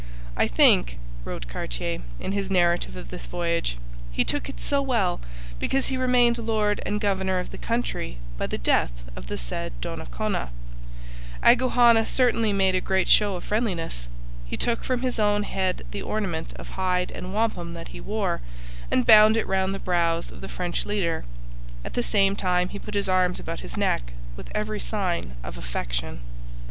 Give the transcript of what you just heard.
'I think,' wrote Cartier, in his narrative of this voyage, 'he took it so well because he remained lord and governor of the country by the death of the said Donnacona.' Agouhanna certainly made a great show of friendliness. He took from his own head the ornament of hide and wampum that he wore and bound it round the brows of the French leader. At the same time he put his arms about his neck with every sign of affection.